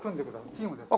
チームです。